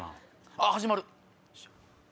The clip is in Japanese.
あっ始まる！